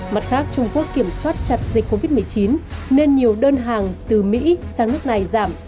mặt khác trung quốc kiểm soát chặt dịch covid một mươi chín nên nhiều đơn hàng từ mỹ sang nước này giảm